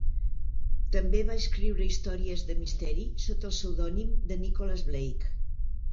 També va escriure històries de misteri sota el pseudònim de Nicholas Blake.